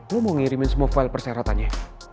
lo mau ngirimin semua file persyaratannya